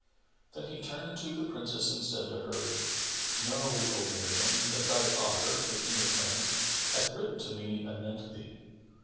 Then he turned to the Princess and said to her, "Know, O Miriam, that thy father, the King of France, hath written to me anent thee.